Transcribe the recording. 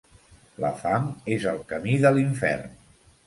La fam és el camí de l'infern.